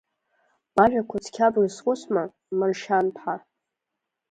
Бажәақәа цқьа брызхәыцма, Маршьанԥҳа?